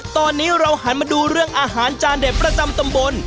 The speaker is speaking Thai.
ตอนนี้เราหันมาดูเรื่องอาหารจานเด็ดประจำตำบล